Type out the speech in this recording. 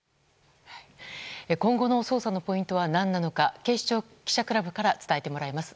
今後の捜査のポイントは何なのか警視庁記者クラブから伝えてもらいます。